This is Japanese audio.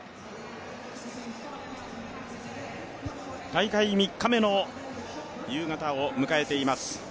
大会３日目の夕方を迎えています。